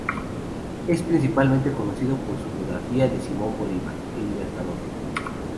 Es principalmente conocido por su biografía de Simón Bolívar: "El Libertador".